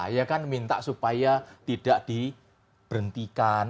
ya kan minta supaya tidak diberhentikan